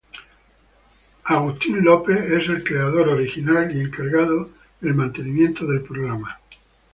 Peter Eastman es el creador original y el encargado del mantenimiento del programa.